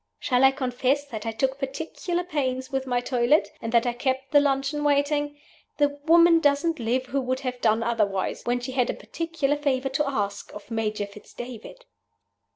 Shall I confess that I took particular pains with my toilet, and that I kept the luncheon waiting? The woman doesn't live who would have done otherwise when she had a particular favor to ask of Major Fitz David.